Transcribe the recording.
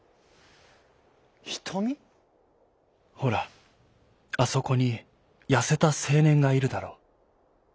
「ほらあそこにやせたせいねんがいるだろう。